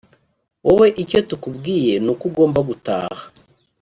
Wowe icyo tukubwiye ni uko ugomba gutaha